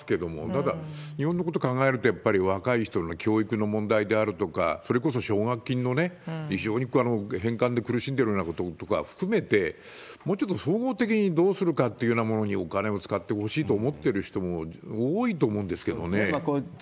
ただ、日本のことを考えると、やっぱり若い人の教育の問題であるとか、それこそ奨学金の非常に返還で苦しんでいるようなこととか含めて、もうちょっと総合的にどうするかということにお金を使ってほしいと思ってる人も多いと思うんですけどね。